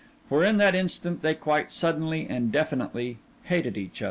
For in that instant they quite suddenly and definitely hated each other.